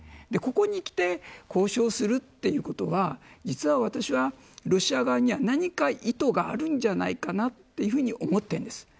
ここにきて交渉するということは実は私は、ロシア側には何か意図があるんじゃないかなというふうに思っているんです。